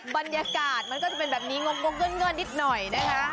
บรรยากาศมันก็จะเป็นแบบนี้งกเงื่อนนิดหน่อยนะคะ